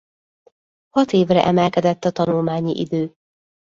Hat évre emelkedett a tanulmányi idő.